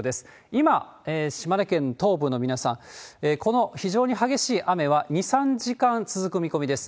今、島根県東部の皆さん、この非常に激しい雨は２、３時間続く見込みです。